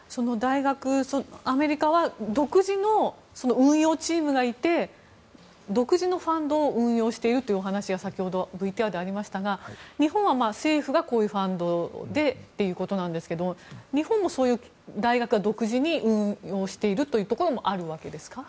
アメリカは独自の運用チームがいて独自のファンドを運用しているというお話がＶＴＲにありましたが日本は政府がこういうファンドでということなんですが日本も大学が独自に運用しているところもあるわけですか？